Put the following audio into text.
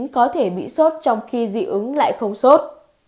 có thể bị sốt trong khi dị ứng lại không sốt